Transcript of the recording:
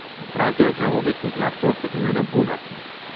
Празниот желудник му зјапна од невидена буна.